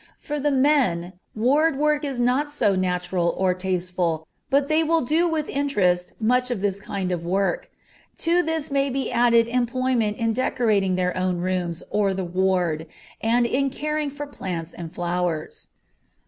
For the men, ward work is not so natural or tasteful, but they will do with interest much of this kind of work; to this may be added employment in decorating their own rooms or the ward, and in caring for plants and flowers.